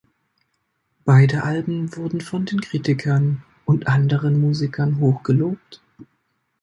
Beide Alben wurden von den Kritikern und anderen Musikern hoch gelobt.